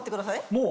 もう？